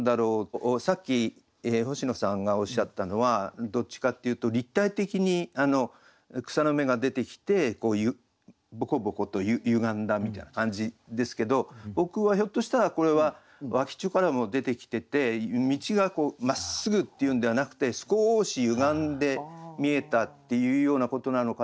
さっき星野さんがおっしゃったのはどっちかっていうと立体的に草の芽が出てきてボコボコと歪んだみたいな感じですけど僕はひょっとしたらこれは脇っちょからも出てきてて径がまっすぐっていうんではなくて少し歪んで見えたっていうようなことなのかなとも思ったり。